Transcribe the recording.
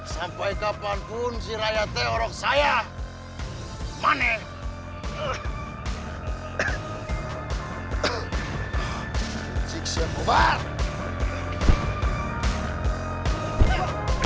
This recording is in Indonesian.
sampai kapanpun raya tidak akan menangkap gue